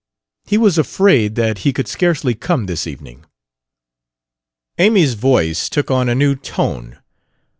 He was afraid that he could scarcely come this evening.... Amy's voice took on a new tone.